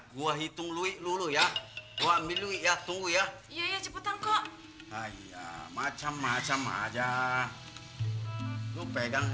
gua hitung luwik lulu ya buat milik ya tunggu ya iya cepetan kok macam macam aja lu pegang ini